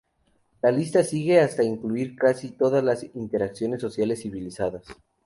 La lista sigue hasta incluir casi todas las interacciones sociales civilizadas.